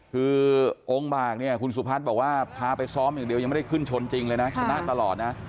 คือองค์บากเนี่ยคุณสุพัฒน์บอกว่าพาไปซ้อมอย่างเดียวยังไม่ได้ขึ้นชนจริงเลยนะชนะตลอดนะ